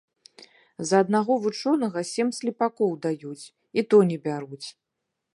За аднаго вучонага сем слепакоў даюць, і то не бяруць